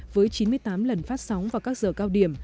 với chín mươi tám lần phát sóng vào các giờ cao điểm